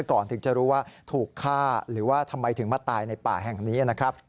ก่อนถึงจะรู้ว่าถูกฆ่าหรือว่าทำไมถึงมาตายในป่าแห่งนี้นะครับ